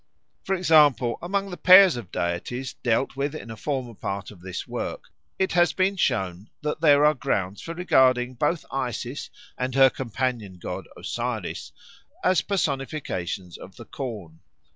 For example, among the pairs of deities dealt with in a former part of this work, it has been shown that there are grounds for regarding both Isis and her companion god Osiris as personifications of the corn.